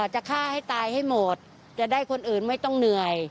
จะฆ่าให้ตายให้หมดจะได้คนอื่นไม่ต้องเหนื่อย